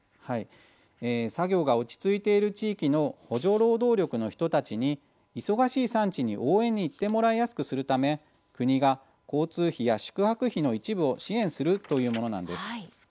作業が落ち着いている地域の補助労働力の人たちに忙しい産地に、応援に行ってもらいやすくするため国が交通費や宿泊費の一部を支援するというものなんです。